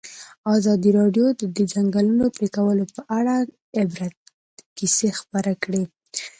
ازادي راډیو د د ځنګلونو پرېکول په اړه د عبرت کیسې خبر کړي.